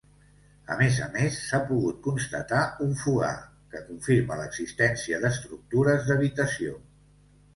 A més a més s'ha pogut constatar un fogar, que confirma l'existència d'estructures d'habitació.